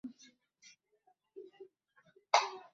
كف عن التحديق.